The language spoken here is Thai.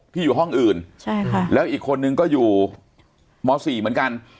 อยู่ห้องอื่นใช่ค่ะแล้วอีกคนนึงก็อยู่ม๔เหมือนกัน